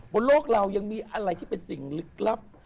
บนโลกเรายังมีอะไรที่เป็นสิ่งลึกลับ